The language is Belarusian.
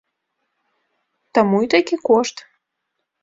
Таму і такі кошт.